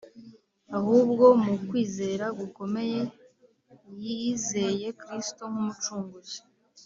ahubwo mu kwizera gukomeye yizeye Kristo nk’Umucunguzi.